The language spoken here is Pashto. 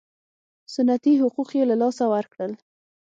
سنتي حقوق یې له لاسه ورکړل.